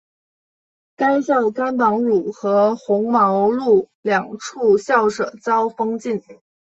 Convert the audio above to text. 该校甘榜汝和红毛路两处校舍遭封禁。